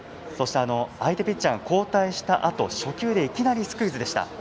そして、相手ピッチャー交代したあと初球でいきなりスクイズでした。